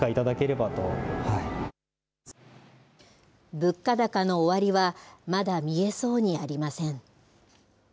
物価高の終わりはまだ見えそうにありません。